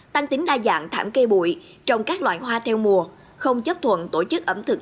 tăng tính đa dạng thảm cây bụi trồng các loại hoa theo mùa không chấp thuận tổ chức ẩm thực